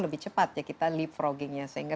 lebih cepat ya kita leapfrogging nya sehingga